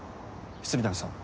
未谷さん